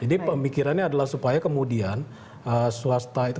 jadi pemikirannya adalah supaya kemudian swasta itu